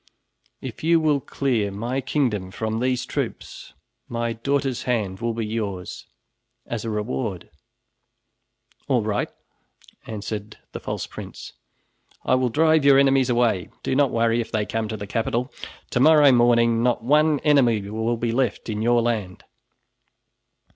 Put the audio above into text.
If you will clear my kingdom from these troops, my daughter's hand will be yours as a reward." "All right," answered the false prince, "I will drive your enemies away. Do not worry if they come to the capital. To morrow morning not one enemy will be left in your land."